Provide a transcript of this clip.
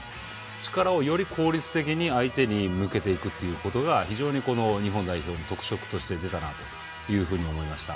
力をより効率的に相手に向かっていくというのが日本代表の特色として出たなと思いました。